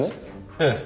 ええ。